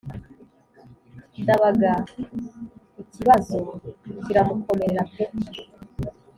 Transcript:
Ndabaga ikibazo kiramukomerera pe!